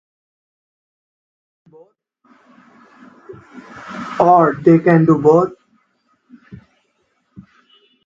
Or, they can do both.